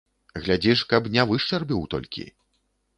Глядзі ж, каб не вышчарбіў толькі.